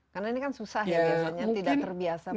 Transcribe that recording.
karena ini kan susah ya biasanya tidak terbiasa makan